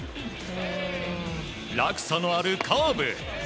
落差のあるカーブ。